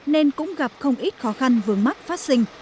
nên cũng gặp không ít khó khăn vướng mắc phát sinh